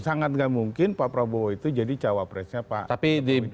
sangat nggak mungkin pak prabowo itu jadi jawab presiden pak widodo